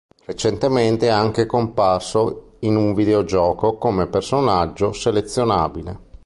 Recentemente è anche comparso in un videogioco come personaggio selezionabile.